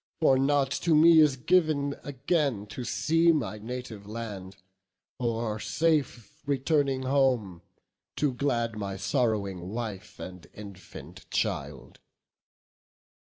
For not to me is giv'n again to see My native land; or, safe returning home, To glad my sorrowing wife and infant child."